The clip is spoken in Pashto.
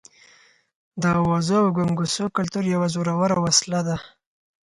د اوازو او ګونګوسو کلتور یوه زوروره وسله ده.